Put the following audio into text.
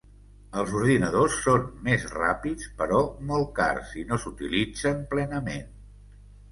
Els ordinadors són més ràpids, però molt cars, i no s’utilitzen plenament.